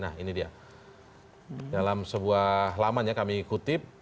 nah ini dia dalam sebuah halaman ya kami kutip